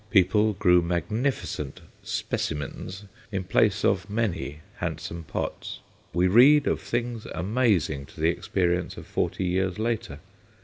People grew magnificent "specimens" in place of many handsome pots. We read of things amazing to the experience of forty years later.